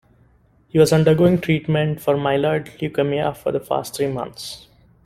He was undergoing treatment for myeloid leukaemia for the past three months.